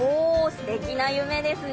すてきな夢ですね。